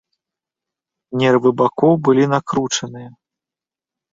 Нервы бакоў былі накручаныя.